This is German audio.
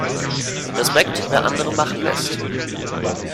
Respekt, wer andere machen lässt!